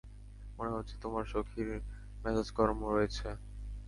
মনে হচ্ছে তোমার সখীর মেজাজ গরম রয়েছে।